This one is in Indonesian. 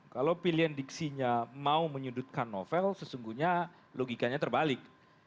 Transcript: kalau pilihan diksinya mau menyudutkan novel sesungguhnya logikanya terbalik